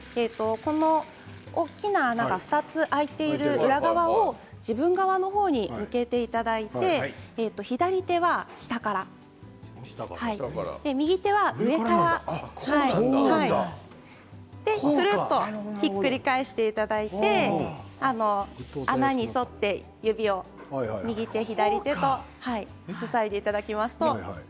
大きな穴が２つ開いている裏側を自分側のほうに向けていただいて左手は下から右手は上からくるっとひっくり返していただいて穴に沿って、指を右手、左手塞いでいただきますと。